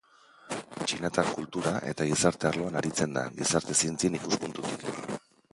Txinatar kultura eta gizarte arloan aritzen da, gizarte zientzien ikuspuntutik.